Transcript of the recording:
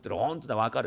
分かる。